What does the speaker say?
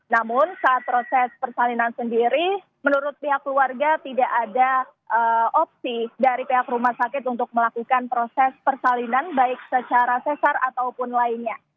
namun saat proses persalinan sendiri menurut pihak keluarga tidak ada opsi dari pihak rumah sakit untuk melakukan proses persalinan baik secara sesar ataupun lainnya